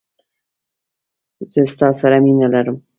زه ستا سره مینه لرم